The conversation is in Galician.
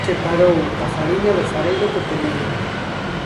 Separou a fariña do farelo co peneiro.